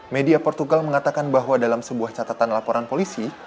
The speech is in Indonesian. media portugal mengatakan bahwa dalam sebuah catatan laporan polisi